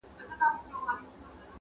پردو زموږ په مټو یووړ تر منزله.